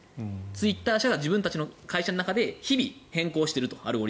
ツイッター社が自分たちの会社の中で日々変更していると。